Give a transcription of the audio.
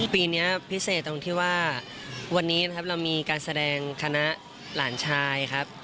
ปีนี้พิเศษตรงที่ว่าวันนี้นะครับเรามีการแสดงคณะหลานชายครับ